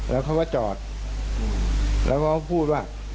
แล้วเขาก็จอดแล้วเขาก็พูดว่า